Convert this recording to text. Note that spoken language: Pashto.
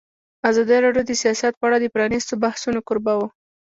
ازادي راډیو د سیاست په اړه د پرانیستو بحثونو کوربه وه.